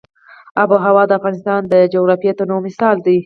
آب وهوا د افغانستان د جغرافیوي تنوع مثال دی.